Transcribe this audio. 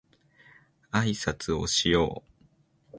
あいさつをしよう